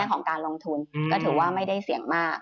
ก็ถือว่าไม่ได้เสียงมาก